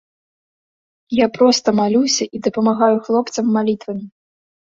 Я проста малюся і дапамагаю хлопцам малітвамі.